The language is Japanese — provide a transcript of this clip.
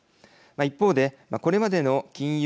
一方でこれまでの金融